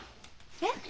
えっ？